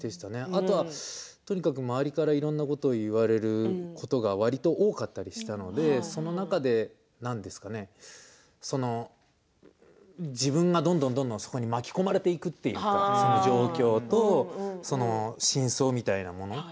あとは、とにかく周りからいろんなことを言われることがわりと多かったりしたのでその中で、なんですかね自分がどんどんどんどんそこに巻き込まれていくというかその状況と真相みたいなもの